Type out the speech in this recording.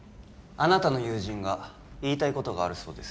あなたの友人が言いたいことがあるそうです